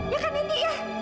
ya kan indi